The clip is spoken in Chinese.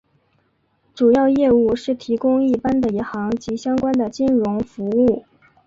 主要业务是提供一般的银行及相关的金融服务。